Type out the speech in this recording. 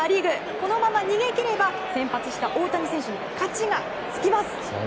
このまま逃げ切れば、先発した大谷選手に勝ちがつきます。